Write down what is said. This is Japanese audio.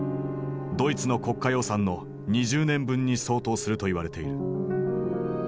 ドイツの国家予算の２０年分に相当すると言われている。